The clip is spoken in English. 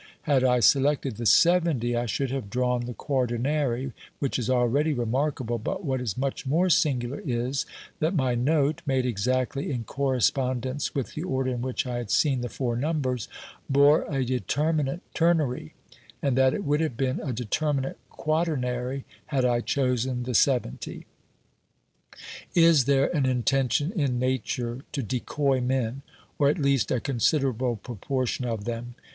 Had I selected the 70 I should have drawn the quaternary, which is already remarkable, but what is much more singular is, that my note, made exactly in correspondence with the order in which I had seen the four numbers, bore a determinate ternary, and that it would have been a determinate quaternary had I chosen the 70. Is there an intention in Nature to decoy men, or at least a considerable proportion of them